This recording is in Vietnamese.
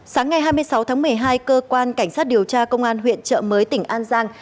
sáng ngày hai mươi sáu tháng một mươi hai cơ quan cảnh sát điều tra công an huyện trợ mới tỉnh an giang